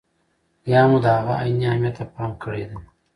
یا مو د هغه عیني اهمیت ته پام کړی دی.